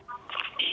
tentu bahwa ya